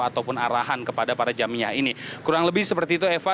ataupun arahan kepada para jamiah ini kurang lebih seperti itu eva